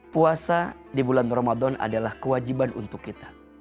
puasa di bulan ramadan adalah kewajiban untuk kita